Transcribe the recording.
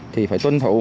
thì phải tuân thủ